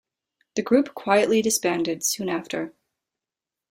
The group quietly disbanded soon after.